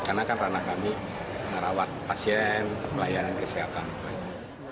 karena kan rana kami merawat pasien pelayanan kesehatan gitu aja